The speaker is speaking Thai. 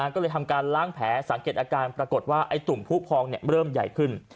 ก็เลยทำการล้างแผลสังเกตอาการปรากฏว่าไอ้ตุ่มผู้พองเริ่มใหญ่ขึ้น